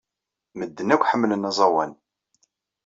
Medden akk ḥemmlen aẓawan.